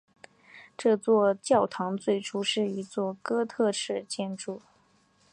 这座教堂最初是一座哥特式建筑。